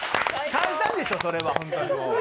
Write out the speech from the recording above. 簡単でしょ、それは本当にもう。